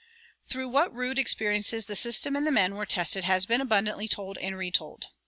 Through what rude experiences the system and the men were tested has been abundantly told and retold.